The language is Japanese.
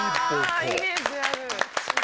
あイメージある。